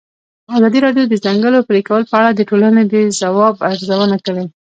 ازادي راډیو د د ځنګلونو پرېکول په اړه د ټولنې د ځواب ارزونه کړې.